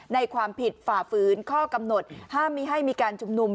ในความผิดฝ่าฝืนข้อกำหนดห้ามมีให้มีการชุมนุม